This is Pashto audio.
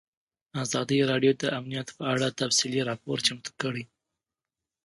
ازادي راډیو د امنیت په اړه تفصیلي راپور چمتو کړی.